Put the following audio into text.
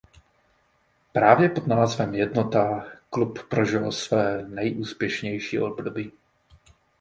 Právě pod názvem Jednota klub prožil své nejúspěšnější období.